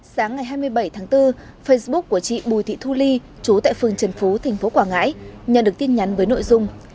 sáng ngày hai mươi bảy tháng bốn facebook của chị bùi thị thu ly trú tại phường trần phú tp quảng ngãi nhận được tin nhắn với nội dung